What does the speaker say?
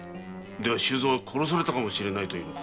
では周蔵は殺されたのかもしれないと？